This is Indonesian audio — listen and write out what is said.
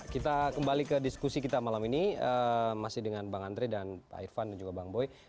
kita kembali ke diskusi kita malam ini masih dengan bang andre dan pak irfan dan juga bang boy